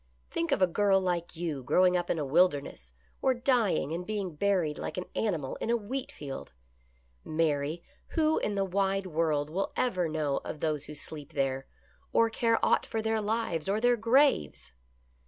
Think of a girl like you growing up in a wilderness, or dying and being buried like an animal in a wheat field ! Mary, who in the wide world will ever know of those who sleep there, or care aught for their lives or their graves